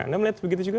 anda melihat begitu juga